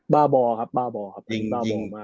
บ้าบอครับบ้าบ่อครับบ้าบอมา